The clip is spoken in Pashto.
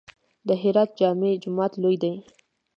د هرات جامع جومات لوی دی